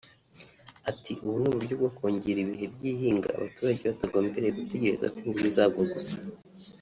Ati”Ubu ni uburyo bwo kongera ibihe by’ihinga abaturage batagombereye gutegereza ko imvura izagwa gusa